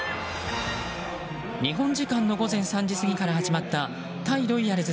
日本時間の午前３時過ぎから始まった対ロイヤルズ